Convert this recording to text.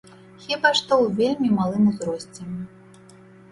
Хіба што, у вельмі малым узросце.